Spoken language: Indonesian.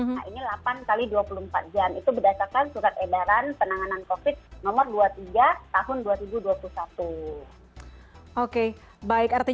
nah inilah hal terakhir